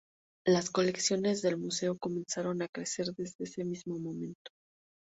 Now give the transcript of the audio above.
Las colecciones del Museo comenzaron a crecer desde ese mismo momento.